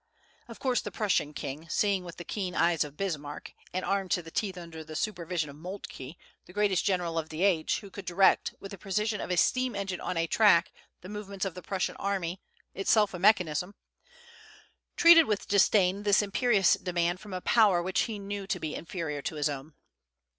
Of course the Prussian king, seeing with the keen eyes of Bismarck, and armed to the teeth under the supervision of Moltke, the greatest general of the age, who could direct, with the precision of a steam engine on a track, the movements of the Prussian army, itself a mechanism, treated with disdain this imperious demand from a power which he knew to be inferior to his own.